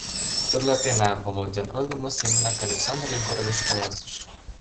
Тӧрлатена, — Володян ойлымо семынак Александр Егорович каласыш.